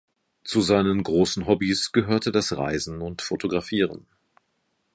Zu seinen großen Hobbys gehörte das Reisen und Fotografieren.